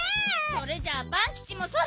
それじゃあパンキチもそろそろ。